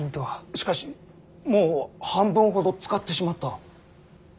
しかしもう半分ほど使ってしまった。